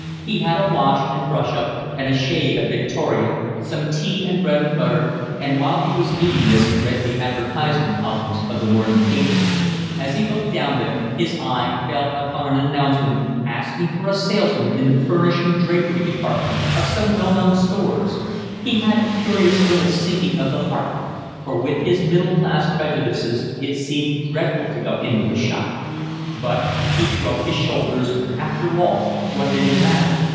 He had a wash and brush up, and a shave at Victoria, some tea and bread and butter, and while he was eating this read the advertisement columns of the morning paper. As he looked down them his eye fell upon an announcement asking for a salesman in the 'furnishing drapery' department of some well known stores. He had a curious little sinking of the heart, for with his middle class prejudices it seemed dreadful to go into a shop; but he shrugged his shoulders, after all what did it matter?